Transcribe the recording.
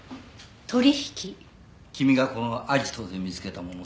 君がこのアジトで見つけたもの